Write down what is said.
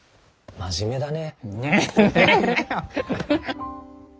真面目だね。